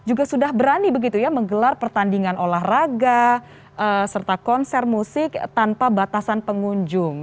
dan juga sudah berani begitu ya menggelar pertandingan olahraga serta konser musik tanpa batasan pengunjung